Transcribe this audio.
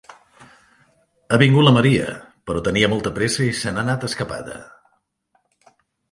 Ha vingut la Maria, però tenia molta pressa i se n'ha anat escapada.